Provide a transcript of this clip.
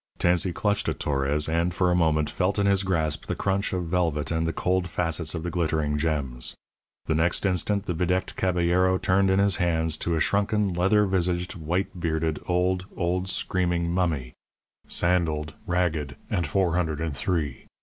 Tansey clutched at Torres, and, for a moment, felt in his grasp the crunch of velvet and the cold facets of the glittering gems. The next instant, the bedecked caballero turned in his hands to a shrunken, leather visaged, white bearded, old, old, screaming mummy, sandalled, ragged, and four hundred and three.